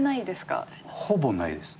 ほぼないです。